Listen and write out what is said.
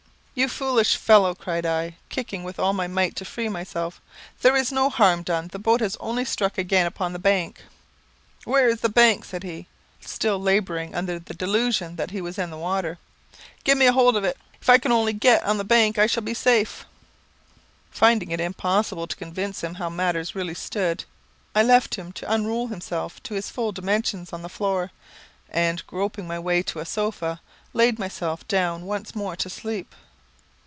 "You foolish fellow," cried I, kicking with all my might to free myself. "There is no harm done; the boat has only struck again upon the bank." "Where is the bank?" said he, still labouring under the delusion that he was in the water. "Give me a hold on it. If I can only get on the bank I shall be safe." Finding it impossible to convince him how matters really stood, I left him to unroll himself to his full dimensions on the floor, and groping my way to a sofa, laid myself down once more to sleep.